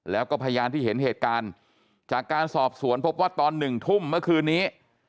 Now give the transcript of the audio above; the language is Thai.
แล้วก็พยานที่เห็นเหตุการณ์จากการสอบสวนพบว่าตอนหนึ่งทุ่มเมื่อคืนนี้